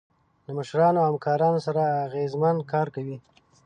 له مشرانو او همکارانو سره اغیزمن کار کوئ.